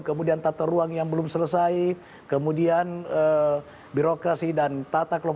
kemudian tata ruang yang belum selesai kemudian birokrasi dan tata kelola